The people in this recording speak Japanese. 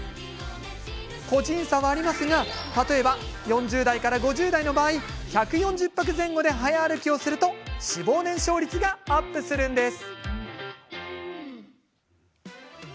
個人差はありますが例えば、４０代から５０代の場合１４０拍前後で早歩きをすると脂肪燃焼率がアップするんです。